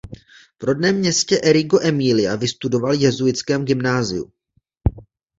V rodném městě Reggio Emilia vystudoval jezuitském gymnázium.